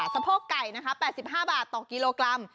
สะโพกไก่นะคะ๘๕บาทต่อกิโลกรัม